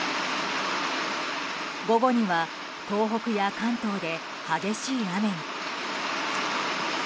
午後には東北や関東で激しい雨に。